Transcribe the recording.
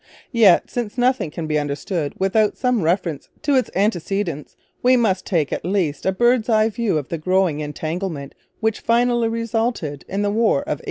Yet, since nothing can be understood without some reference to its antecedents, we must take at least a bird's eye view of the growing entanglement which finally resulted in the War of 1812.